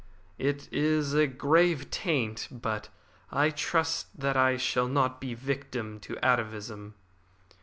"It is a grave taint, but I trust that I shall not be a victim to atavism.